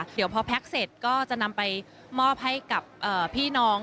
เดี๋ยวพอแพ็คเสร็จก็จะนำไปมอบให้กับพี่น้อง